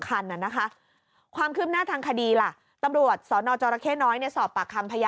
อันนี้สำคัญน่ะนะคะ